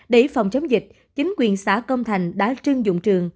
để phòng chống dịch chính quyền xã công thành đã trưng dụng trường